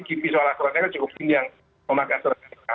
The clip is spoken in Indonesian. kipis soal akuratnya kan cukup ini yang memakai astrazeneca